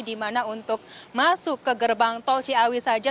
dimana untuk masuk ke gerbang tol ciawi saja